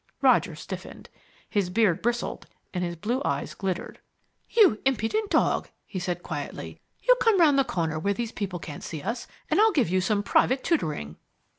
Roger stiffened. His beard bristled, and his blue eyes glittered. "You impudent dog," he said quietly, "you come round the corner where these people can't see us and I'll give you some private tutoring."